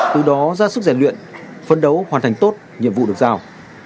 từ đó ra sức rèn luyện phân đấu hoàn thành tốt nhiệm vụ được giao